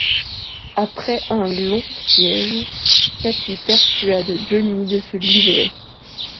Après un long siège, Cathie persuade Johnny de se livrer.